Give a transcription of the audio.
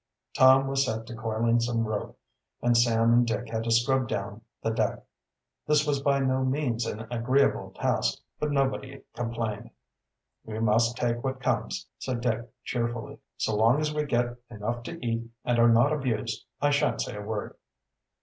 Tom was set to coiling some rope and Sam and Dick had to scrub down the deck. This was by no means an agreeable task, but nobody complained. "We must take what comes," said Dick cheerfully. "So long as we get enough to eat and are not abused I shan't say a word."